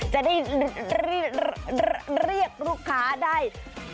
จะได้เรียกลูกค้าได้